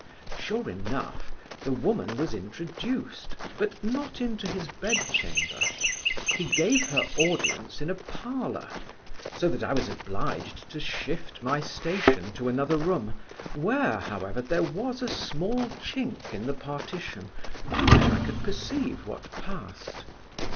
Sure enough, the woman was introduced but not into his bedchamber; he gave her audience in a parlour; so that I was obliged to shift my station to another room, where, however, there was a small chink in the partition, through which I could perceive what passed.